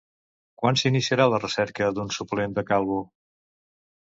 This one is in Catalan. Quan s'iniciarà la recerca d'un suplent de Calvo?